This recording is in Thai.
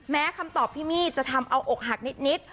คำตอบพี่มี่จะทำเอาอกหักนิด